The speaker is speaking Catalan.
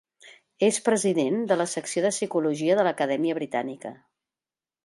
És president de la Secció de Psicologia de l'Acadèmia Britànica.